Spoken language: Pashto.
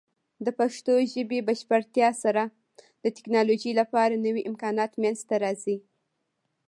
د پښتو ژبې بشپړتیا سره، د ټیکنالوجۍ لپاره نوې امکانات منځته راځي.